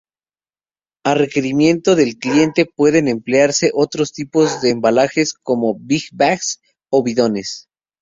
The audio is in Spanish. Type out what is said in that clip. A requerimiento del cliente pueden emplearse otros tipos de embalajes, como "big-bags" o bidones.